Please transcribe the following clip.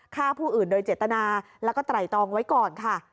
ฆ่าผู้อื่นโดยเจตนาแล้วก็ไตรตองไว้ก่อนค่ะ